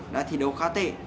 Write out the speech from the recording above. đã thi đấu khá tệ